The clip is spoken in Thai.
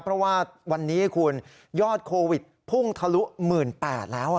เพราะว่าวันนี้คุณยอดโควิดพุ่งทะลุ๑๘๐๐แล้ว